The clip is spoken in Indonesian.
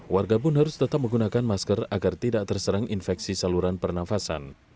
warga pun harus tetap menggunakan masker agar tidak terserang infeksi saluran pernafasan